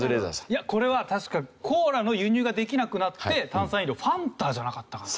いやこれは確かコーラの輸入ができなくなって炭酸飲料ファンタじゃなかったかな？